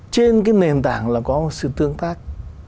trên cái nền tảng là có sự tương tác